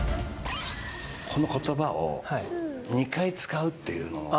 この言葉を２回使うっていうのは？